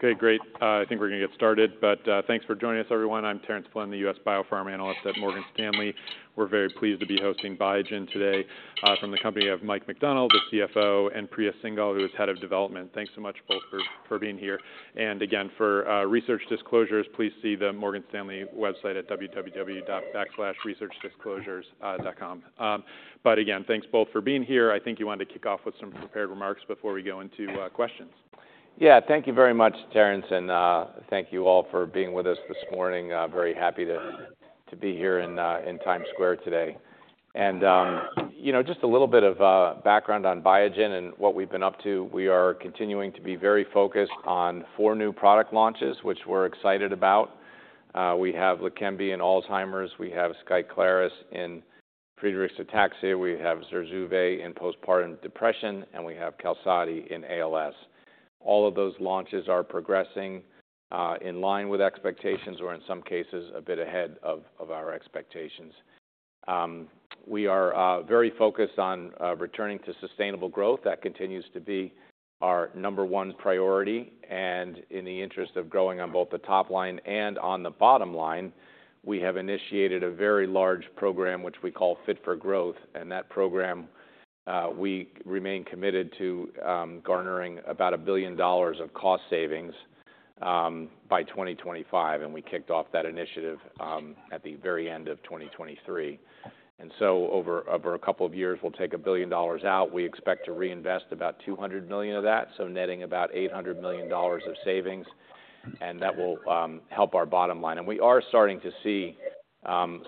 Okay, great. I think we're going to get started, but thanks for joining us, everyone. I'm Terence Flynn, the U.S. BioPharma analyst at Morgan Stanley. We're very pleased to be hosting Biogen today, from the company of Mike McDonnell, the CFO, and Priya Singhal, who is Head of Development. Thanks so much, both, for being here. And again, for research disclosures, please see the Morgan Stanley website at www.researchdisclosures.com. But again, thanks both for being here. I think you wanted to kick off with some prepared remarks before we go into questions. Yeah, thank you very much, Terence, and thank you all for being with us this morning. Very happy to be here in Times Square today. You know, just a little bit of background on Biogen and what we've been up to. We are continuing to be very focused on four new product launches, which we're excited about. We have LEQEMBI in Alzheimer's, we have SKYCLARYS in Friedreich's ataxia, we have ZURZUVAE in postpartum depression, and we have QALSODY in ALS. All of those launches are progressing in line with expectations or, in some cases, a bit ahead of our expectations. We are very focused on returning to sustainable growth. That continues to be our number one priority, and in the interest of growing on both the top line and on the bottom line, we have initiated a very large program, which we call Fit for Growth, and that program, we remain committed to, garnering about $1 billion of cost savings, by 2025, and we kicked off that initiative, at the very end of 2023. So over a couple of years, we'll take $1 billion out. We expect to reinvest about $200 million of that, so netting about $800 million of savings, and that will, help our bottom line. And we are starting to see,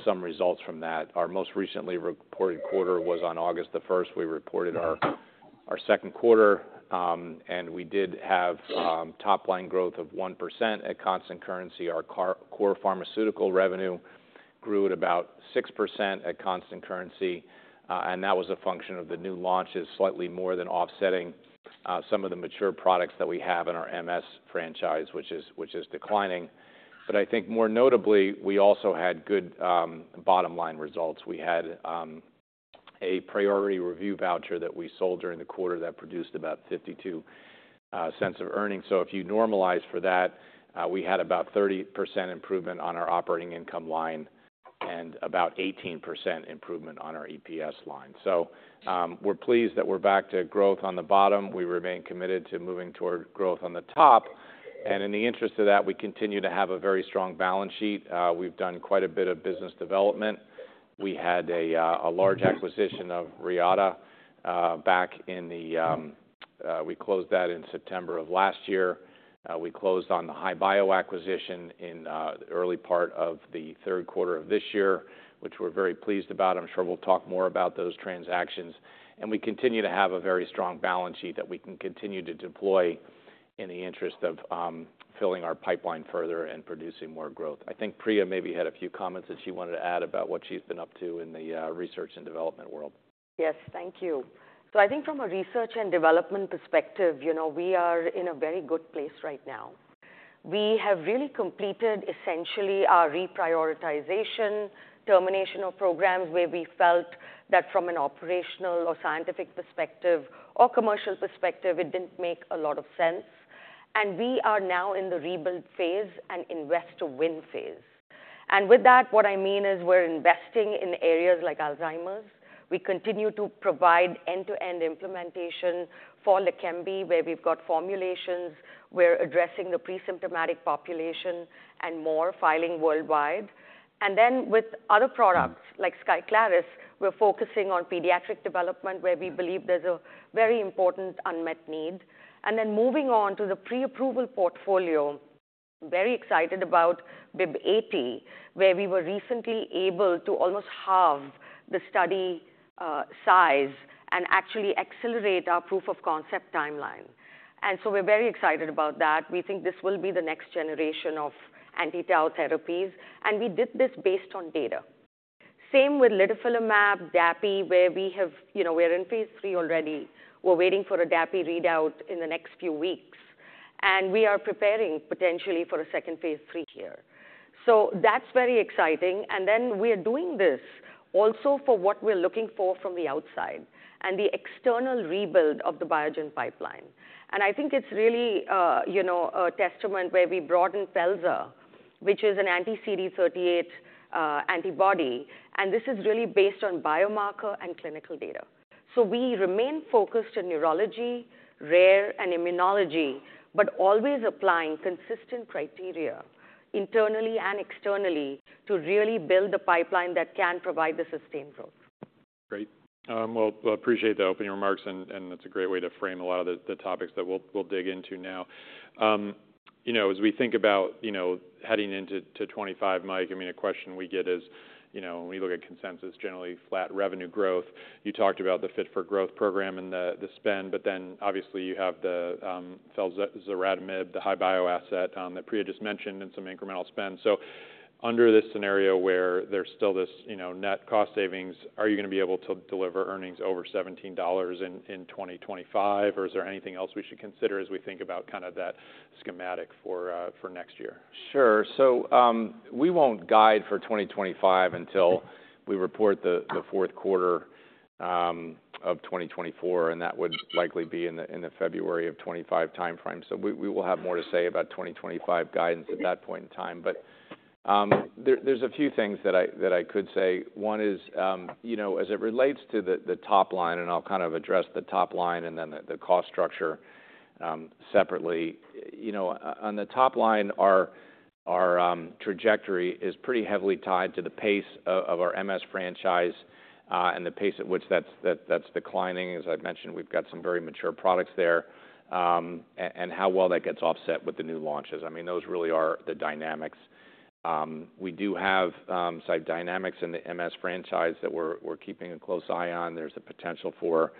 some results from that. Our most recently reported quarter was on August 1. We reported our second quarter, and we did have top-line growth of 1% at constant currency. Our core pharmaceutical revenue grew at about 6% at constant currency, and that was a function of the new launches, slightly more than offsetting some of the mature products that we have in our MS franchise, which is declining. But I think more notably, we also had good bottom-line results. We had a priority review voucher that we sold during the quarter that produced about $0.52 of earnings. So if you normalize for that, we had about 30% improvement on our operating income line and about 18% improvement on our EPS line. So, we're pleased that we're back to growth on the bottom. We remain committed to moving toward growth on the top, and in the interest of that, we continue to have a very strong balance sheet. We've done quite a bit of business development. We had a large acquisition of Reata back in, we closed that in September of last year. We closed on the HI-Bio acquisition in the early part of the third quarter of this year, which we're very pleased about. I'm sure we'll talk more about those transactions. And we continue to have a very strong balance sheet that we can continue to deploy in the interest of filling our pipeline further and producing more growth. I think Priya maybe had a few comments that she wanted to add about what she's been up to in the research and development world. Yes, thank you. So I think from a research and development perspective, you know, we are in a very good place right now. We have really completed essentially our reprioritization, termination of programs where we felt that from an operational or scientific perspective or commercial perspective, it didn't make a lot of sense, and we are now in the rebuild phase and invest to win phase. And with that, what I mean is we're investing in areas like Alzheimer's. We continue to provide end-to-end implementation for LEQEMBI, where we've got formulations, we're addressing the presymptomatic population and more filing worldwide. And then with other products like SKYCLARYS, we're focusing on pediatric development, where we believe there's a very important unmet need. And then moving on to the pre-approval portfolio, very excited about BIIB080, where we were recently able to almost halve the study size and actually accelerate our proof of concept timeline. And so we're very excited about that. We think this will be the next generation of anti-tau therapies, and we did this based on data. Same with litifilimab, dapi, where we have, you know, we're in phase III already. We're waiting for dapi readout in the next few weeks, and we are preparing potentially for a second phase III here. So that's very exciting. And then we are doing this also for what we're looking for from the outside and the external rebuild of the Biogen pipeline. And I think it's really, you know, a testament where we broaden felzartamab, which is an anti-CD38 antibody, and this is really based on biomarker and clinical data. So we remain focused on neurology, rare, and immunology, but always applying consistent criteria internally and externally to really build a pipeline that can provide the sustained growth. Great. Well, appreciate the opening remarks, and that's a great way to frame a lot of the topics that we'll dig into now. You know, as we think about, you know, heading into twenty twenty-five, Mike, I mean, a question we get is, you know, when we look at consensus, generally flat revenue growth. You talked about the Fit for Growth program and the spend, but then obviously you have the felzartamab, the HI-Bio asset, that Priya just mentioned, and some incremental spend. So under this scenario where there's still this, you know, net cost savings, are you going to be able to deliver earnings over $17 in 2025, or is there anything else we should consider as we think about kind of that schematic for next year? Sure. So, we won't guide for 2025 until we report the fourth quarter of 2024, and that would likely be in the February of 2025 timeframe. So we will have more to say about 2025 guidance at that point in time. But. There, there's a few things that I could say. One is, you know, as it relates to the top line, and I'll kind of address the top line and then the cost structure, separately. You know, on the top line, our trajectory is pretty heavily tied to the pace of our MS franchise, and the pace at which that's declining. As I've mentioned, we've got some very mature products there, and how well that gets offset with the new launches. I mean, those really are the dynamics. We do have some dynamics in the MS franchise that we're keeping a close eye on. There's the potential for,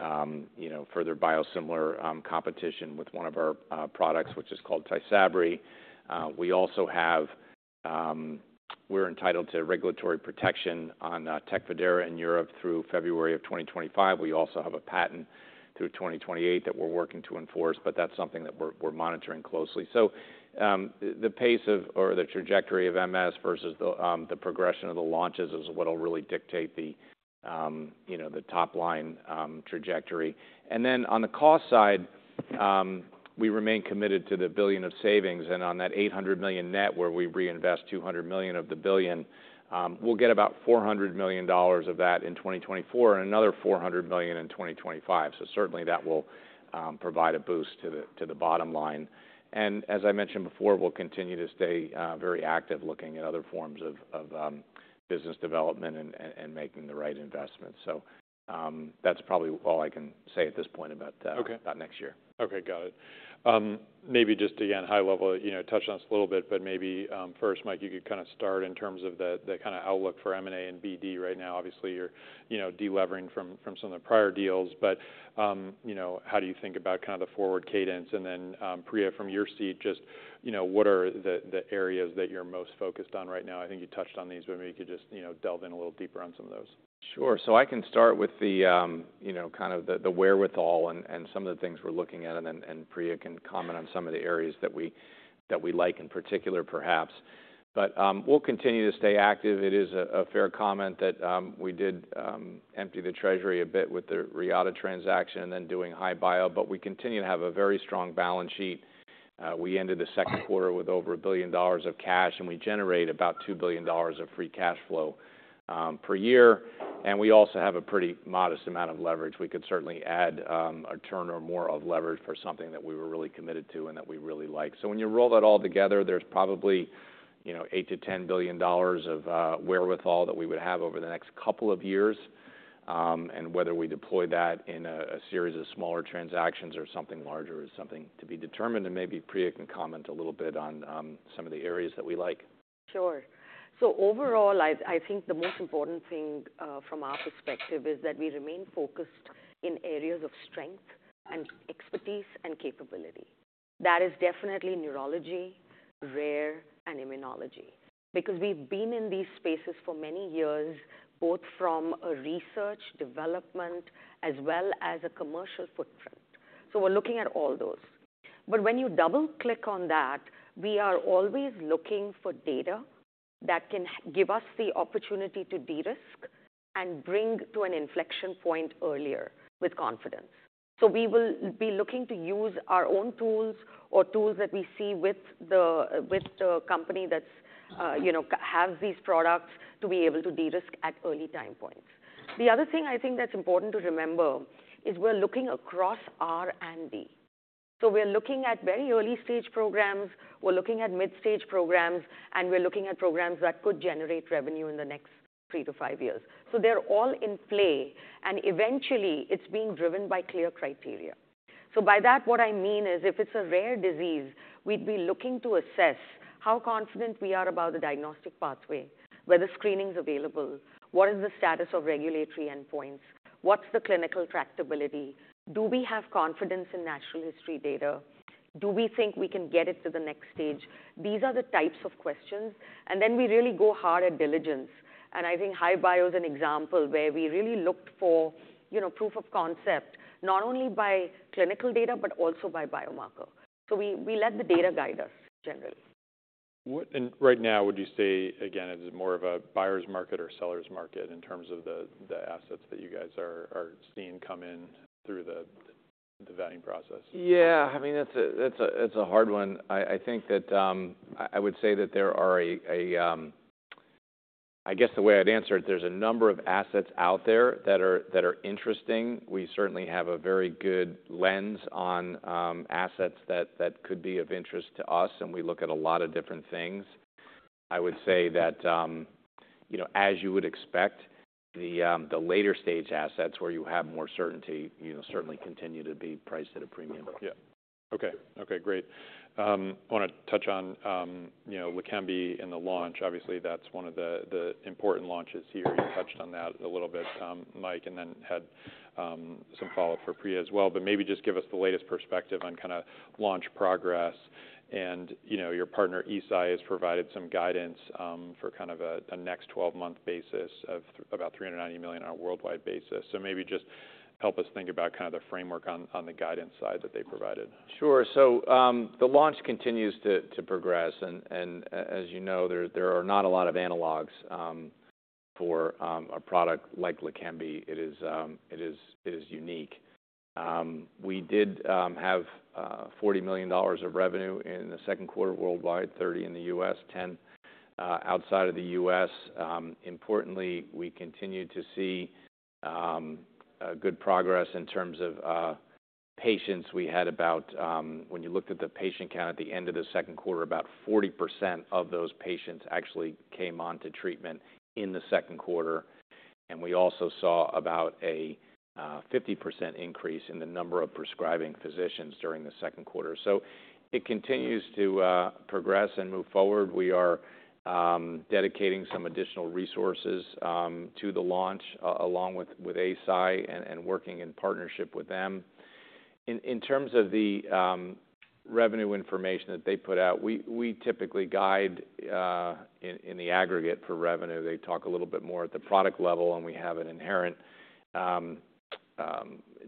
you know, further biosimilar competition with one of our products, which is called TYSABRI. We also have. We're entitled to regulatory protection on Tecfidera in Europe through February of 2025. We also have a patent through 2028 that we're working to enforce, but that's something that we're monitoring closely. So, the pace or the trajectory of MS versus the progression of the launches is what'll really dictate the, you know, the top line trajectory. And then on the cost side, we remain committed to the $1 billion of savings, and on that $800 million net, where we reinvest $200 million of the $1 billion, we'll get about $400 million of that in 2024 and another $400 million in 2025. So certainly, that will provide a boost to the bottom line. And as I mentioned before, we'll continue to stay very active, looking at other forms of business development and making the right investment. So, that's probably all I can say at this point about next year. Okay, got it. Maybe just, again, high level, you know, touched on this a little bit, but maybe, first, Mike, you could kind of start in terms of the kind of outlook for M&A and BD right now. Obviously, you're, you know, delevering from some of the prior deals, but, you know, how do you think about kind of the forward cadence? And then, Priya, from your seat, just, you know, what are the areas that you're most focused on right now? I think you touched on these, but maybe you could just, you know, delve in a little deeper on some of those. Sure. So I can start with the, you know, kind of the wherewithal and some of the things we're looking at, and then Priya can comment on some of the areas that we like in particular, perhaps. But we'll continue to stay active. It is a fair comment that we did empty the treasury a bit with the Reata transaction and then doing HI-Bio, but we continue to have a very strong balance sheet. We ended the second quarter with over $1 billion of cash, and we generate about $2 billion of free cash flow per year, and we also have a pretty modest amount of leverage. We could certainly add a turn or more of leverage for something that we were really committed to and that we really like. So when you roll that all together, there's probably, you know, $8 billion-$10 billion of wherewithal that we would have over the next couple of years. And whether we deploy that in a series of smaller transactions or something larger is something to be determined, and maybe Priya can comment a little bit on some of the areas that we like. Sure. So overall, I think the most important thing from our perspective is that we remain focused in areas of strength and expertise and capability. That is definitely neurology, rare, and immunology, because we've been in these spaces for many years, both from a research development as well as a commercial footprint, so we're looking at all those. But when you double-click on that, we are always looking for data that can give us the opportunity to de-risk and bring to an inflection point earlier with confidence. So we will be looking to use our own tools or tools that we see with the company that's, you know, have these products, to be able to de-risk at early time points. The other thing I think that's important to remember is we're looking across R&D. So we're looking at very early-stage programs, we're looking at mid-stage programs, and we're looking at programs that could generate revenue in the next three to five years. So they're all in play, and eventually, it's being driven by clear criteria. So by that, what I mean is, if it's a rare disease, we'd be looking to assess how confident we are about the diagnostic pathway, whether screening is available, what is the status of regulatory endpoints? What's the clinical tractability? Do we have confidence in natural history data? Do we think we can get it to the next stage? These are the types of questions, and then we really go hard at diligence. And I think HI-Bio is an example where we really looked for, you know, proof of concept, not only by clinical data, but also by biomarker. So we let the data guide us, generally. And right now, would you say, again, is it more of a buyer's market or seller's market in terms of the assets that you guys are seeing come in through the vetting process? Yeah, I mean, that's a, that's a, it's a hard one. I, I think that... I would say that there are a, a-- I guess, the way I'd answer it, there's a number of assets out there that are, that are interesting. We certainly have a very good lens on assets that, that could be of interest to us, and we look at a lot of different things. I would say that, you know, as you would expect, the, the later-stage assets, where you have more certainty, you know, certainly continue to be priced at a premium. Yeah. Okay. Okay, great. I want to touch on, you know, LEQEMBI and the launch. Obviously, that's one of the important launches here. You touched on that a little bit, Mike, and then had some follow-up for Priya as well. But maybe just give us the latest perspective on kind of launch progress, and, you know, your partner, Eisai, has provided some guidance for kind of a next twelve-month basis of about $390 million on a worldwide basis. So maybe just help us think about kind of the framework on the guidance side that they provided. Sure. So, the launch continues to progress, and as you know, there are not a lot of analogs for a product like LEQEMBI. It is unique. We did have $40 million of revenue in the second quarter worldwide, $30 million in the U.S., $10 million outside of the U.S. Importantly, we continue to see good progress in terms of patients. We had about, when you looked at the patient count at the end of the second quarter, about 40% of those patients actually came on to treatment in the second quarter, and we also saw about a 50% increase in the number of prescribing physicians during the second quarter. So it continues to progress and move forward. We are dedicating some additional resources to the launch, along with Eisai and working in partnership with them. In terms of the revenue information that they put out, we typically guide in the aggregate for revenue. They talk a little bit more at the product level, and we have an inherent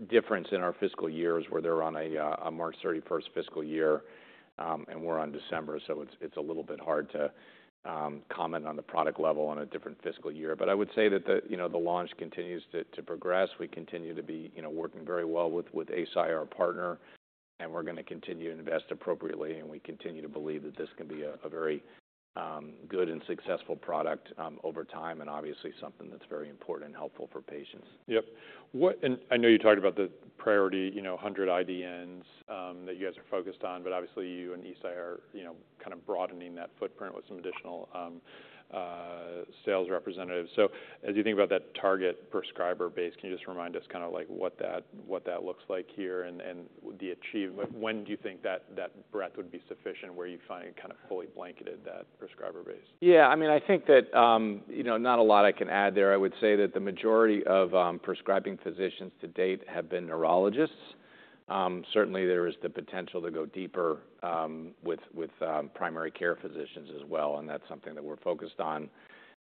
difference in our fiscal years, where they're on a March 31st fiscal year and we're on December. So it's a little bit hard to comment on the product level on a different fiscal year. But I would say that the, you know, the launch continues to progress. We continue to be, you know, working very well with Eisai, our partner, and we're gonna continue to invest appropriately, and we continue to believe that this can be a very good and successful product over time, and obviously something that's very important and helpful for patients. Yep. And I know you talked about the priority, you know, hundred IDNs that you guys are focused on, but obviously, you and Eisai are, you know, kind of broadening that footprint with some additional sales representatives. So as you think about that target prescriber base, can you just remind us kind of like what that looks like here and when do you think that breadth would be sufficient, where you find kind of fully blanketed that prescriber base? Yeah, I mean, I think that, you know, not a lot I can add there. I would say that the majority of prescribing physicians to date have been neurologists. Certainly, there is the potential to go deeper with primary care physicians as well, and that's something that we're focused on.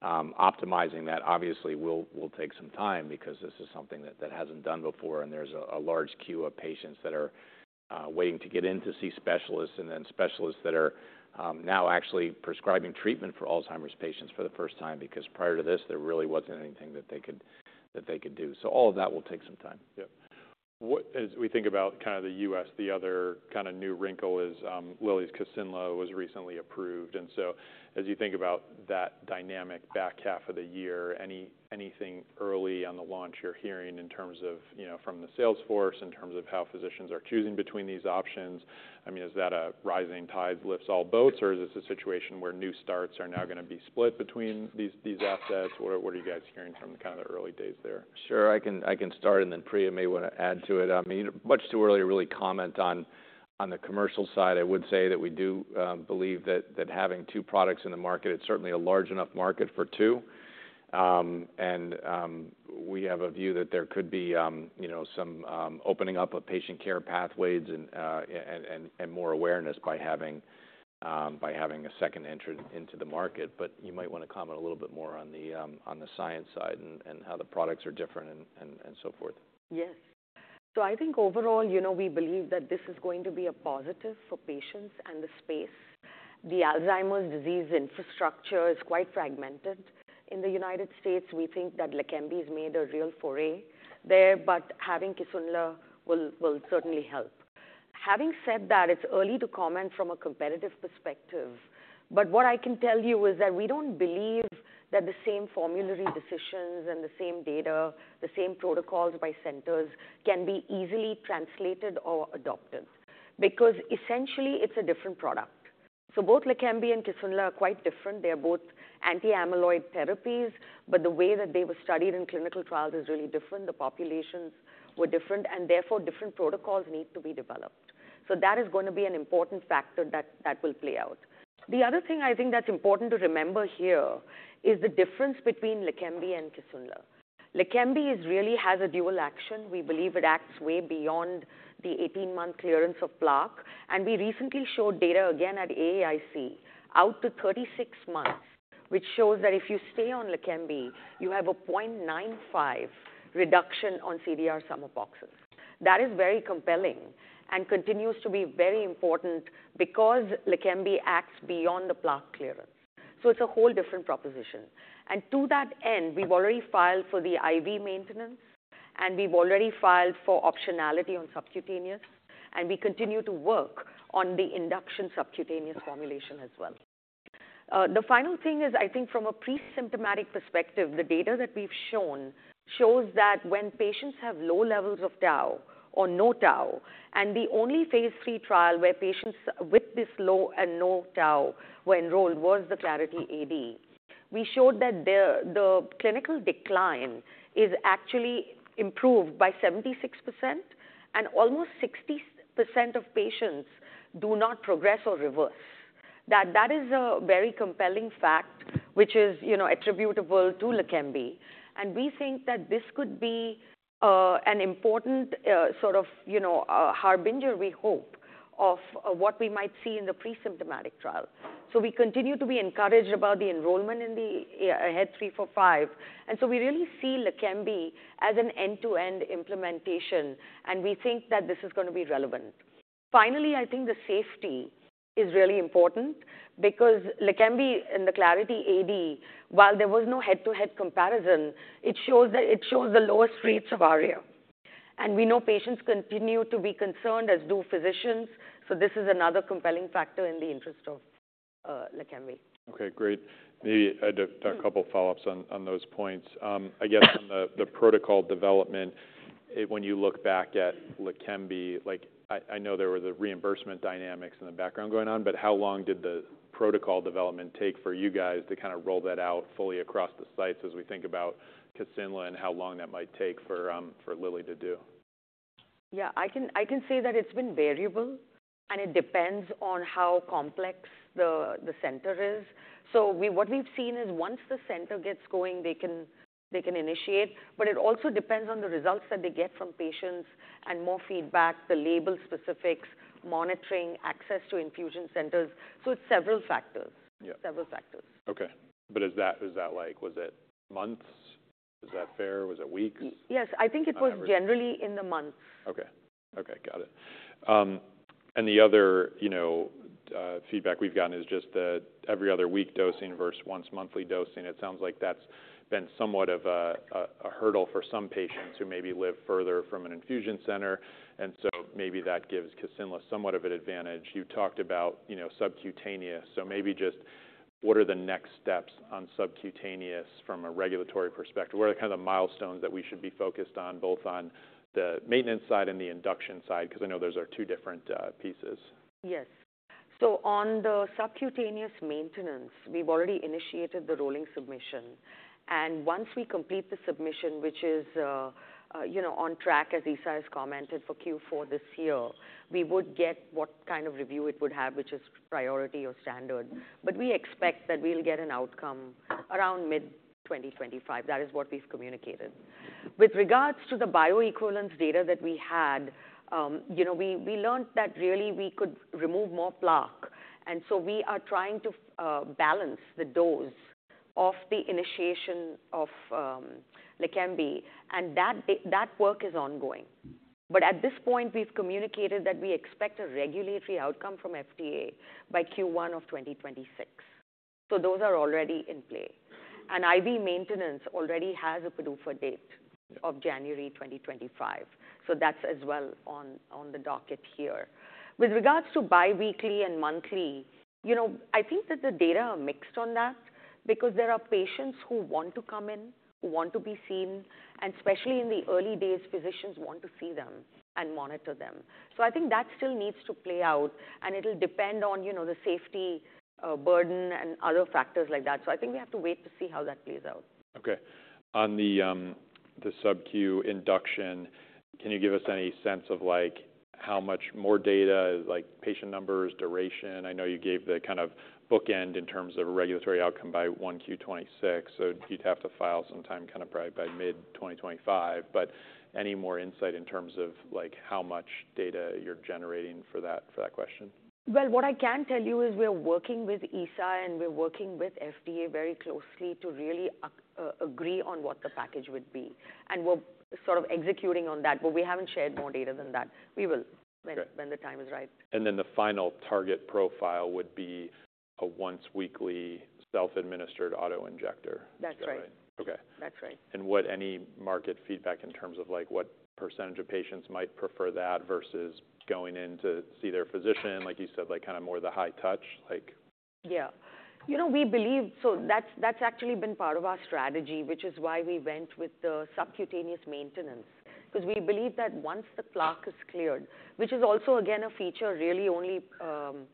Optimizing that obviously will take some time because this is something that hasn't done before, and there's a large queue of patients that are waiting to get in to see specialists, and then specialists that are now actually prescribing treatment for Alzheimer's patients for the first time, because prior to this, there really wasn't anything that they could do. So all of that will take some time. Yep. As we think about kind of the U.S., the other kind of new wrinkle is, Lilly's Kisunla was recently approved, and so as you think about that dynamic back half of the year, anything early on the launch you're hearing in terms of, you know, from the sales force, in terms of how physicians are choosing between these options? I mean, is that a rising tide lifts all boats, or is this a situation where new starts are now gonna be split between these, these assets? What, what are you guys hearing from kind of the early days there? Sure, I can start, and then Priya may want to add to it. I mean, much too early to really comment on the commercial side. I would say that we do believe that having two products in the market, it's certainly a large enough market for two. And we have a view that there could be, you know, some opening up of patient care pathways and more awareness by having a second entrant into the market. But you might want to comment a little bit more on the science side and how the products are different and so forth. Yes. So I think overall, you know, we believe that this is going to be a positive for patients and the space. The Alzheimer's disease infrastructure is quite fragmented. In the United States, we think that LEQEMBI has made a real foray there, but having Kisunla will certainly help. Having said that, it's early to comment from a competitive perspective, but what I can tell you is that we don't believe that the same formulary decisions and the same data, the same protocols by centers, can be easily translated or adopted, because essentially, it's a different product. So both LEQEMBI and Kisunla are quite different. They are both anti-amyloid therapies, but the way that they were studied in clinical trials is really different. The populations were different, and therefore, different protocols need to be developed. So that is gonna be an important factor that will play out. The other thing I think that's important to remember here is the difference between LEQEMBI and Kisunla. LEQEMBI is really has a dual action. We believe it acts way beyond the 18-month clearance of plaque, and we recently showed data again at AIC out to 36 months, which shows that if you stay on LEQEMBI, you have a point nine five reduction on CDR sum of boxes. That is very compelling and continues to be very important because LEQEMBI acts beyond the plaque clearance. So it's a whole different proposition. And to that end, we've already filed for the IV maintenance, and we've already filed for optionality on subcutaneous, and we continue to work on the induction subcutaneous formulation as well. The final thing is, I think from a pre-symptomatic perspective, the data that we've shown shows that when patients have low levels of tau or no tau, and the only phase III trial where patients with this low and no tau were enrolled was the Clarity AD. We showed that the clinical decline is actually improved by 76%, and almost 60% of patients do not progress or reverse. That is a very compelling fact, which is, you know, attributable to LEQEMBI. And we think that this could be an important, sort of, you know, a harbinger, we hope, of what we might see in the pre-symptomatic trial. So we continue to be encouraged about the enrollment in the AHEAD 3-45, and so we really see LEQEMBI as an end-to-end implementation, and we think that this is gonna be relevant. Finally, I think the safety is really important because LEQEMBI in the Clarity AD, while there was no head-to-head comparison, it shows that it shows the lowest rates of ARIA. And we know patients continue to be concerned, as do physicians, so this is another compelling factor in the interest of LEQEMBI. Okay, great. Maybe I have a couple follow-ups on those points. On the protocol development, when you look back at LEQEMBI, like I know there were the reimbursement dynamics in the background going on, but how long did the protocol development take for you guys to kind of roll that out fully across the sites, as we think about Kisunla and how long that might take for Lilly to do? Yeah, I can say that it's been variable, and it depends on how complex the center is. So what we've seen is once the center gets going, they can initiate, but it also depends on the results that they get from patients and more feedback, the label specifics, monitoring, access to infusion centers. So it's several factors. Yeah. Several factors. Okay. But is that, is that like... Was it months? Is that fair? Was it weeks? Yes, I think it was generally in the months. Okay. Okay, got it. And the other, you know, feedback we've gotten is just that every other week dosing versus once monthly dosing. It sounds like that's been somewhat of a hurdle for some patients who maybe live further from an infusion center. And so maybe that gives Kisunla somewhat of an advantage. You talked about, you know, subcutaneous. So maybe just what are the next steps on subcutaneous from a regulatory perspective? What are the kind of milestones that we should be focused on, both on the maintenance side and the induction side? Because I know those are two different pieces. Yes. So on the subcutaneous maintenance, we've already initiated the rolling submission, and once we complete the submission, which is, you know, on track, as Isa has commented, for Q4 this year, we would get what kind of review it would have, which is priority or standard. But we expect that we'll get an outcome around mid-2025. That is what we've communicated. With regards to the bioequivalence data that we had, you know, we learned that really we could remove more plaque, and so we are trying to balance the dose of the initiation of LEQEMBI, and that work is ongoing. But at this point, we've communicated that we expect a regulatory outcome from FDA by Q1 of 2026. So those are already in play. IV maintenance already has a PDUFA date of January 2025, so that's as well on the docket here. With regards to biweekly and monthly, you know, I think that the data are mixed on that because there are patients who want to come in, who want to be seen, and especially in the early days, physicians want to see them and monitor them. So I think that still needs to play out, and it'll depend on, you know, the safety, burden, and other factors like that. So I think we have to wait to see how that plays out. Okay. On the subcu induction, can you give us any sense of like how much more data, like, patient numbers, duration? I know you gave the kind of bookend in terms of a regulatory outcome by 1Q 2026, so you'd have to file some time kind of probably by mid-2025. But any more insight in terms of like how much data you're generating for that, for that question? What I can tell you is we're working with Eisai, and we're working with FDA very closely to really agree on what the package would be, and we're sort of executing on that. But we haven't shared more data than that. We will-when the time is right. The final target profile would then be a once-weekly, self-administered auto-injector. That's right. Okay. That's right. Any market feedback in terms of like, what percentage of patients might prefer that versus going in to see their physician, like you said, like kind of more the high touch, like? Yeah. You know, we believe... So that's, that's actually been part of our strategy, which is why we went with the subcutaneous maintenance, because we believe that once the plaque is cleared, which is also, again, a feature really only, specific-to LEQEMBI,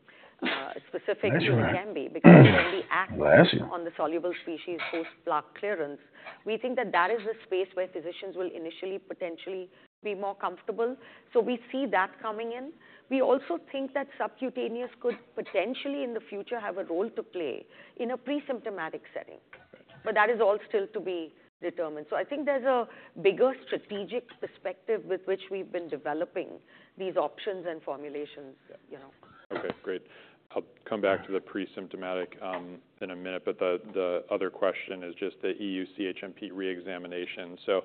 because it only acts-on the soluble species post-plaque clearance. We think that that is the space where physicians will initially, potentially be more comfortable. So we see that coming in. We also think that subcutaneous could potentially, in the future, have a role to play in a pre-symptomatic setting. But that is all still to be determined. So I think there's a bigger strategic perspective with which we've been developing these options and formulations, you know? Okay, great. I'll come back to the pre-symptomatic in a minute, but the other question is just the EU CHMP reexamination. So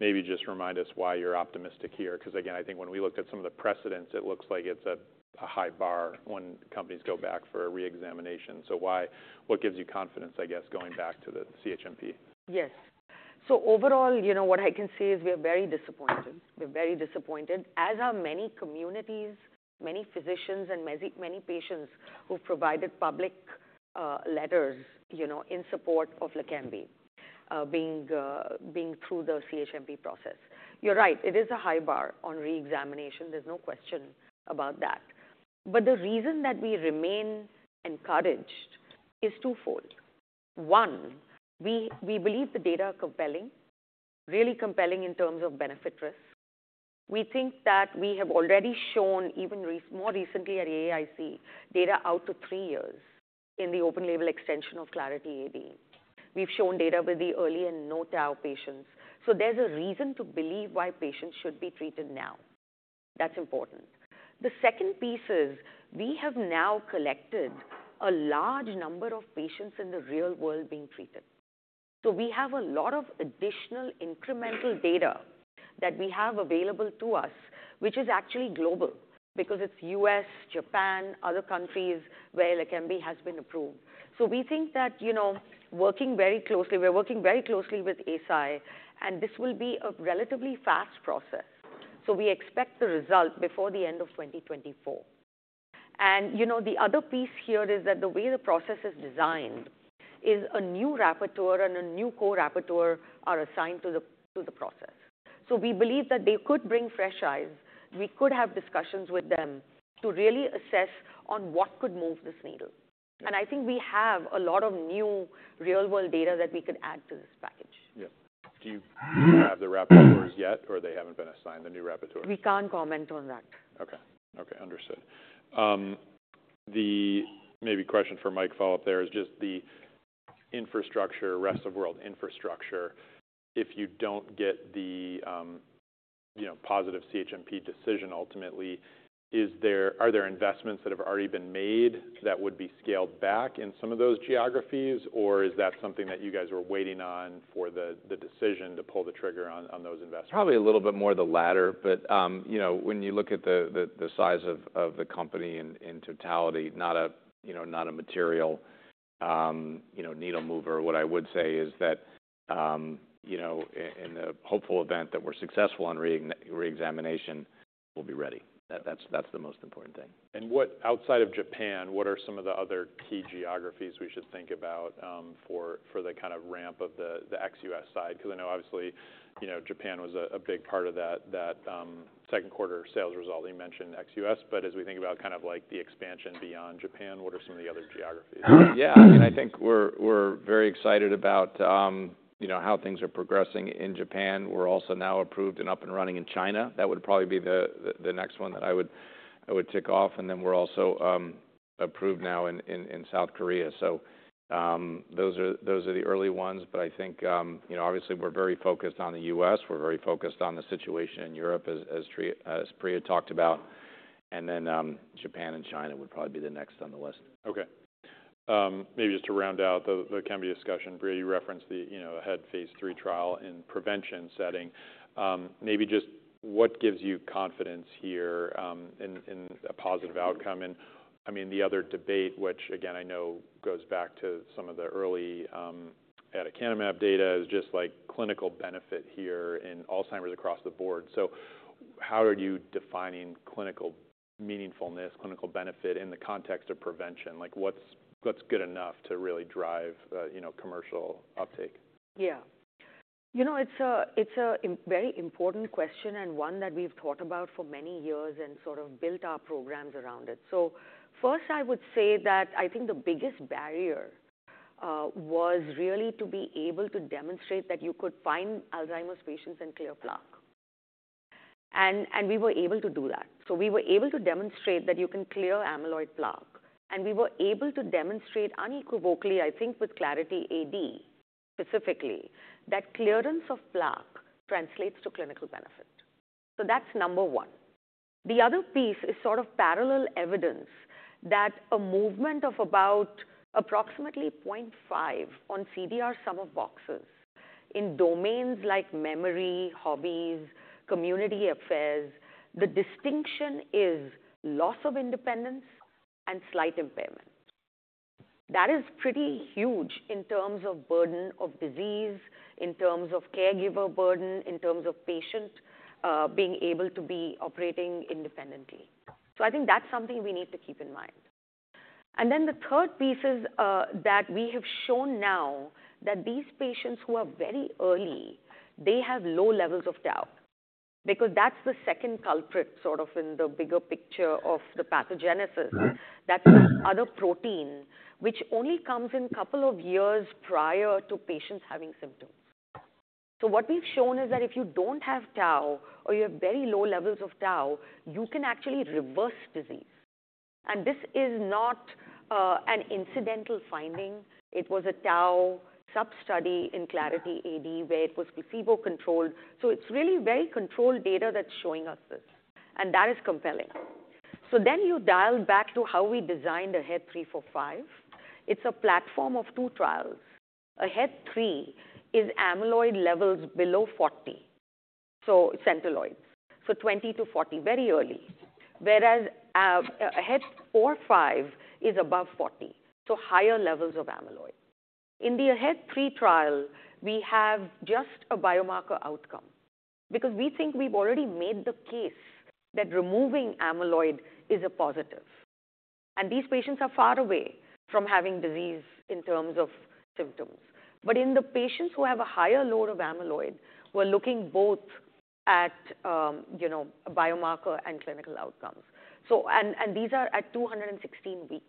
maybe just remind us why you're optimistic here, because again, I think when we looked at some of the precedents, it looks like it's a high bar when companies go back for a reexamination. So why, what gives you confidence, I guess, going back to the CHMP? Yes. So overall, you know, what I can say is we are very disappointed. We're very disappointed, as are many communities, many physicians and many patients who've provided public letters, you know, in support of LEQEMBI being through the CHMP process. You're right, it is a high bar on reexamination. There's no question about that. But the reason that we remain encouraged is twofold. One, we believe the data are compelling, really compelling in terms of benefit-risk. We think that we have already shown, even more recently at AIC, data out to three years in the open-label extension of Clarity AD. We've shown data with the early and no tau patients, so there's a reason to believe why patients should be treated now. That's important. The second piece is, we have now collected a large number of patients in the real world being treated.... So we have a lot of additional incremental data that we have available to us, which is actually global because it's U.S., Japan, other countries where LEQEMBI has been approved. So we think that, you know, working very closely. We're working very closely with Eisai, and this will be a relatively fast process. So we expect the result before the end of twenty twenty-four. And, you know, the other piece here is that the way the process is designed is a new rapporteur and a new co-rapporteur are assigned to the, to the process. So we believe that they could bring fresh eyes. We could have discussions with them to really assess on what could move this needle. I think we have a lot of new real-world data that we could add to this package. Yeah. Do you have the rapporteurs yet, or they haven't been assigned a new rapporteur? We can't comment on that. Okay. Okay, understood. The maybe question for Mike follow-up there is just the infrastructure, rest-of-world infrastructure. If you don't get the, you know, positive CHMP decision ultimately, is there, are there investments that have already been made that would be scaled back in some of those geographies? Or is that something that you guys are waiting on for the decision to pull the trigger on those investments? Probably a little bit more of the latter, but you know, when you look at the size of the company in totality, not a you know, not a material needle mover. What I would say is that you know, in the hopeful event that we're successful on reexamination, we'll be ready. That's the most important thing. Outside of Japan, what are some of the other key geographies we should think about, for the kind of ramp of the ex-U.S. side? Because I know obviously, you know, Japan was a big part of that second quarter sales result. You mentioned ex-US, but as we think about kind of like the expansion beyond Japan, what are some of the other geographies? Yeah, I mean, I think we're very excited about, you know, how things are progressing in Japan. We're also now approved and up and running in China. That would probably be the next one that I would tick off. And then we're also approved now in South Korea. So, those are the early ones. But I think, you know, obviously we're very focused on the U.S. We're very focused on the situation in Europe, as Priya talked about, and then Japan and China would probably be the next on the list. Okay. Maybe just to round out the LEQEMBI discussion. Priya, you referenced the, you know, AHEAD 3-45 trial in prevention setting. Maybe just what gives you confidence here, in a positive outcome? And I mean, the other debate, which again, I know goes back to some of the early aducanumab data, is just like clinical benefit here in Alzheimer's across the board. So how are you defining clinical meaningfulness, clinical benefit in the context of prevention? Like, what's good enough to really drive, you know, commercial uptake? Yeah. You know, it's a very important question and one that we've thought about for many years and sort of built our programs around it. So first, I would say that I think the biggest barrier was really to be able to demonstrate that you could find Alzheimer's patients and clear plaque. And we were able to do that. So we were able to demonstrate that you can clear amyloid plaque, and we were able to demonstrate unequivocally, I think, with Clarity AD, specifically, that clearance of plaque translates to clinical benefit. So that's number one. The other piece is sort of parallel evidence that a movement of about approximately 0.5 on CDR sum of boxes in domains like memory, hobbies, community affairs, the distinction is loss of independence and slight impairment. That is pretty huge in terms of burden of disease, in terms of caregiver burden, in terms of patient, being able to be operating independently. So I think that's something we need to keep in mind. And then the third piece is, that we have shown now that these patients who are very early, they have low levels of tau, because that's the second culprit, sort of in the bigger picture of the pathogenesis. That's the other protein, which only comes in couple of years prior to patients having symptoms. So what we've shown is that if you don't have tau or you have very low levels of tau, you can actually reverse disease. And this is not, an incidental finding. It was a tau substudy in Clarity AD, where it was placebo-controlled. So it's really very controlled data that's showing us this, and that is compelling. So then you dial back to how we designed AHEAD 3-45. It's a platform of two trials. AHEAD 3 is amyloid levels below 40, so centiloid, so 20 to 40, very early. Whereas AHEAD 4-5 is above 40, so higher levels of amyloid. In the AHEAD 3 trial, we have just a biomarker outcome because we think we've already made the case that removing amyloid is a positive, and these patients are far away from having disease in terms of symptoms. But in the patients who have a higher load of amyloid, we're looking both at, you know, biomarker and clinical outcomes. And these are at 216 weeks.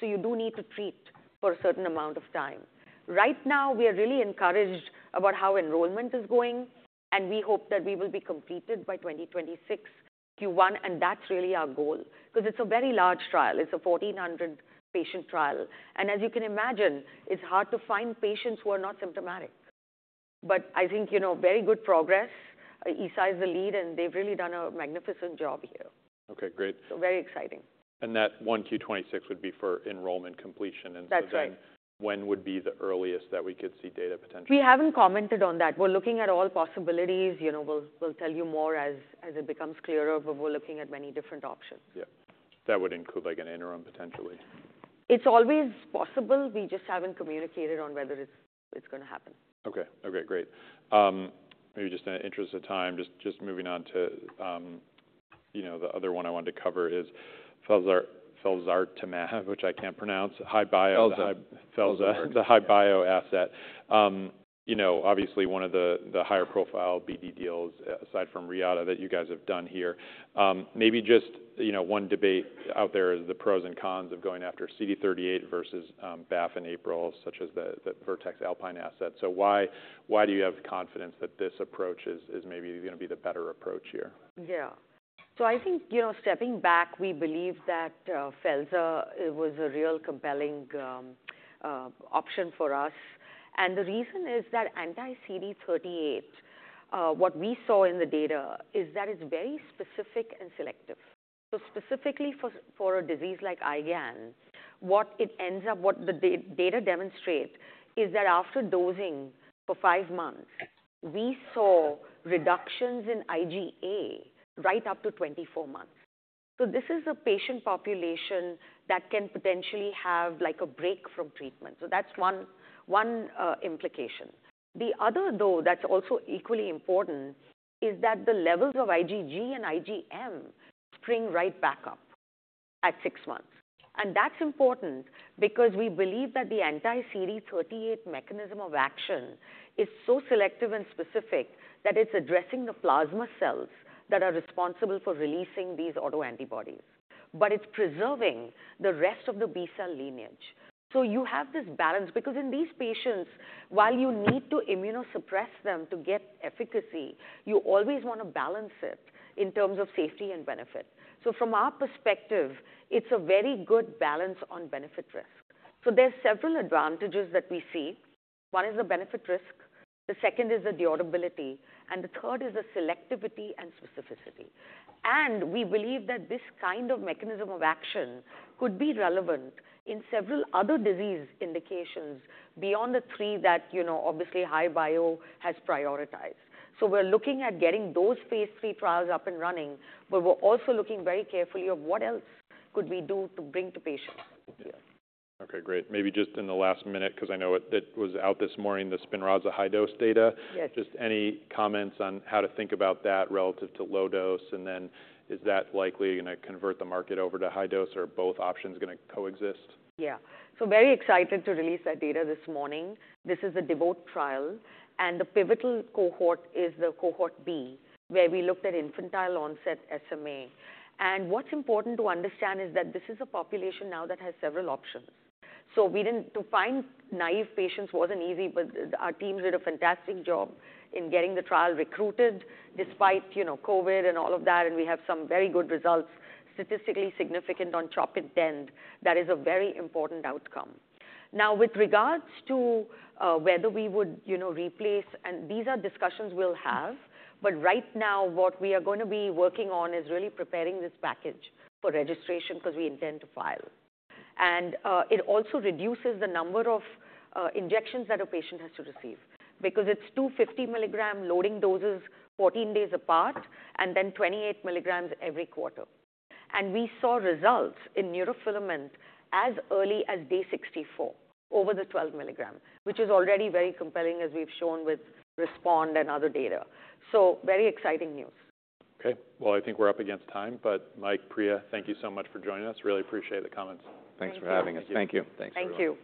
So you do need to treat for a certain amount of time. Right now, we are really encouraged about how enrollment is going, and we hope that we will be completed by 2026 Q1, and that's really our goal, because it's a very large trial. It's a 1,400-patient trial, and as you can imagine, it's hard to find patients who are not symptomatic. But I think, you know, very good progress. Eisai is the lead, and they've really done a magnificent job here. Okay, great. So very exciting. That 1Q 2026 would be for enrollment completion, and so then- That's right. When would be the earliest that we could see data potentially? We haven't commented on that. We're looking at all possibilities. You know, we'll, we'll tell you more as, as it becomes clearer, but we're looking at many different options. Yeah. That would include, like, an interim, potentially? It's always possible. We just haven't communicated on whether it's gonna happen. Okay. Okay, great. Maybe just in the interest of time, just moving on to, you know, the other one I wanted to cover is felzartamab, which I can't pronounce. HI-Bio- Felzar. Felzar. Felzar. The HI-Bio asset. You know, obviously, one of the higher profile BD deals, aside from Reata, that you guys have done here. Maybe just, you know, one debate out there is the pros and cons of going after CD38 versus BAFF and APRIL, such as the Vertex Alpine asset. So why do you have confidence that this approach is maybe gonna be the better approach here? Yeah. So I think, you know, stepping back, we believe that felzartamab, it was a real compelling option for us. And the reason is that anti-CD38, what we saw in the data is that it's very specific and selective. So specifically for a disease like IgAN, what it ends up... What the data demonstrates is that after dosing for five months, we saw reductions in IgA right up to 24 months. So this is a patient population that can potentially have, like, a break from treatment. So that's one implication. The other, though, that's also equally important, is that the levels of IgG and IgM spring right back up at six months. And that's important because we believe that the anti-CD38 mechanism of action is so selective and specific that it's addressing the plasma cells that are responsible for releasing these autoantibodies, but it's preserving the rest of the B cell lineage. So you have this balance, because in these patients, while you need to immunosuppress them to get efficacy, you always wanna balance it in terms of safety and benefit. So from our perspective, it's a very good balance on benefit-risk. So there are several advantages that we see. One is the benefit-risk, the second is the durability, and the third is the selectivity and specificity. And we believe that this kind of mechanism of action could be relevant in several other disease indications beyond the three that, you know, obviously, HI-Bio has prioritized. We're looking at getting those phase III trials up and running, but we're also looking very carefully at what else could we do to bring to patients? Yeah. Okay, great. Maybe just in the last minute, 'cause I know it was out this morning, the Spinraza high-dose data. Yes. Just any comments on how to think about that relative to low dose, and then is that likely gonna convert the market over to high dose, or are both options gonna coexist? Yeah. So very excited to release that data this morning. This is a DEVOTE trial, and the pivotal cohort is the cohort B, where we looked at infantile onset SMA. And what's important to understand is that this is a population now that has several options. So, to find naive patients wasn't easy, but our teams did a fantastic job in getting the trial recruited despite, you know, COVID and all of that, and we have some very good results, statistically significant on CHOP INTEND. That is a very important outcome. Now, with regards to whether we would, you know, replace. These are discussions we'll have, but right now, what we are gonna be working on is really preparing this package for registration 'cause we intend to file. It also reduces the number of injections that a patient has to receive because it's two 50-mg loading doses, 14 days apart, and then 28 mg every quarter. We saw results in neurofilament as early as day 64 over the 12 mg, which is already very compelling, as we've shown with RESPOND and other data. Very exciting news. Okay, well, I think we're up against time, but Mike, Priya, thank you so much for joining us. Really appreciate the comments. Thanks for having us. Thank you. Thank you. Thank you.